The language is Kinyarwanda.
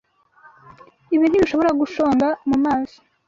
Ibi ntibishobora gushonga mumazi.